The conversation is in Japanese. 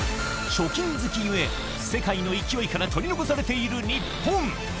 貯金好きゆえ、世界の勢いから取り残されている日本。